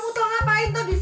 aduh kamu tau ngapain tadi